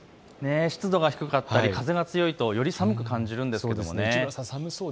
湿度が低かったり風が強いとより寒く感じられますよね。